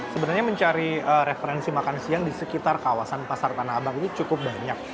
sebenarnya mencari referensi makan siang di sekitar kawasan pasar tanah abang ini cukup banyak